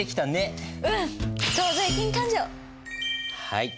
はい。